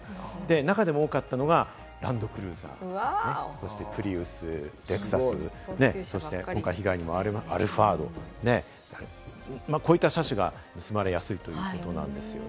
中でも多かったのがランドクルーザー、そしてプリウス、レクサス、そして今回被害にも遭われたというアルファード、こういった車種が盗まれやすいということなんです。